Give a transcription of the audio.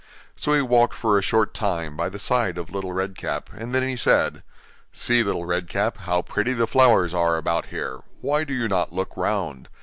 So he walked for a short time by the side of Little Red Cap, and then he said: 'See, Little Red Cap, how pretty the flowers are about here why do you not look round?